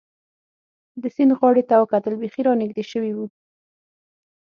د سیند غاړې ته وکتل، بېخي را نږدې شوي و.